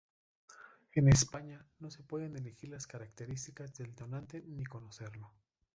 En España no se pueden elegir las características del donante ni conocerlo.